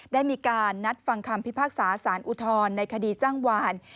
ได้มีการนัดฟังคำพิพากษาสารอุทธรณ์ในคดีจ้างวาน